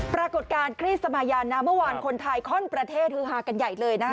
ปรากฏการณ์ครีสมายานาเมื่อวานคนไทยข้อนประเทศฮือฮากันใหญ่เลยนะฮะ